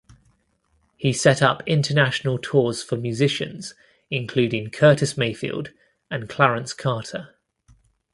He set up international tours for musicians including Curtis Mayfield and Clarence Carter.